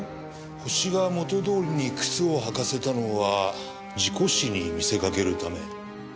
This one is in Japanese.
犯人が元どおりに靴を履かせたのは事故死に見せかけるため？